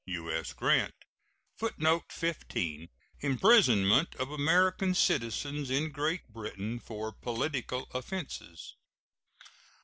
U.S. GRANT. [Footnote 15: Imprisonment of American citizens in Great Britain for political offenses.